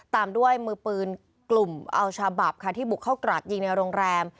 ตามด้วยมือปืนกลุ่มอัลชาบับค่ะที่บุกเข้ากราดยิงในโรงแรม